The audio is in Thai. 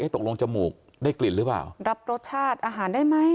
ตกลงจมูกได้กลิ่นหรือเปล่ารับรสชาติอาหารได้ไหม